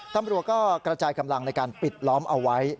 ตำรวจก็กระจายกำลังในการปิดล้อมเอาไว้